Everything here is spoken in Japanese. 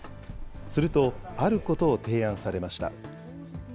すると、あることを提案されました。